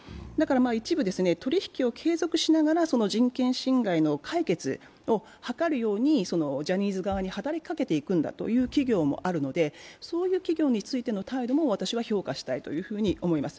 一部、取り引きを継続しながら人権侵害の解決を図るようにジャニーズ側に働きかけていくという企業もあるのでそういう企業についての態度も私は評価したいと思います。